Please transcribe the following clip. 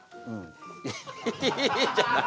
いいじゃない。